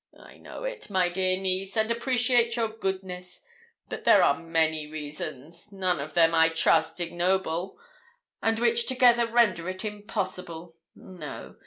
'I know it, my dear niece, and appreciate your goodness; but there are many reasons none of them, I trust, ignoble and which together render it impossible. No.